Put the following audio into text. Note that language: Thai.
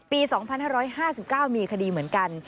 ปี๒๕๕๙มีคดีเหมือนกัน